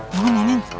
nuhun ya neng